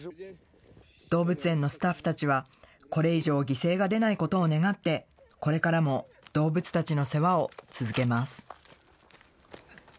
動物園のスタッフたちは、これ以上、犠牲が出ないことを願って、これからも動物たちの世話を続けます。